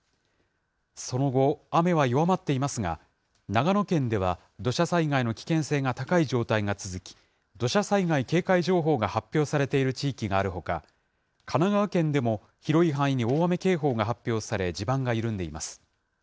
その後、雨は弱まっていますが、長野県では土砂災害の危険性が高い状態が続き、土砂災害警戒情報が発表されている地域があるほか、神奈川県でも広い範囲に大雨警報が発表され、地盤が緩んでいます。